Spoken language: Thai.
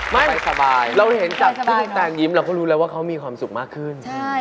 ไม่สบายเราเห็นจากที่น้องแตนยิ้มเราก็รู้แล้วว่าเขามีความสุขมากขึ้น